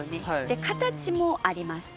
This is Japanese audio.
で形もあります。